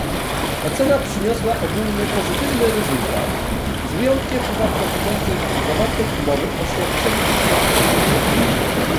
Ocena przyniosła ogólnie pozytywny rezultat, z wyjątkiem uwag dotyczących zawartej umowy o świadczenie usług